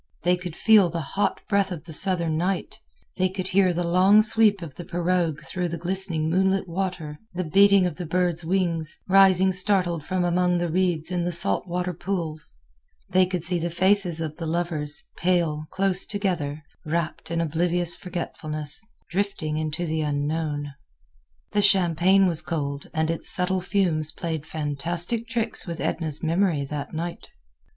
They could feel the hot breath of the Southern night; they could hear the long sweep of the pirogue through the glistening moonlit water, the beating of birds' wings, rising startled from among the reeds in the salt water pools; they could see the faces of the lovers, pale, close together, rapt in oblivious forgetfulness, drifting into the unknown. The champagne was cold, and its subtle fumes played fantastic tricks with Edna's memory that night.